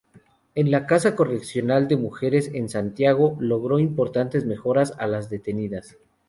En la casa correccional de mujeres en Santiago, logró importantes mejoras a las detenidas.